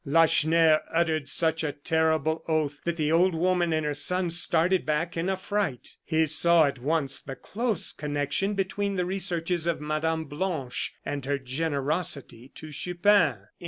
Lacheneur uttered such a terrible oath that the old woman and her son started back in affright. He saw at once the close connection between the researches of Mme. Blanche and her generosity to Chupin.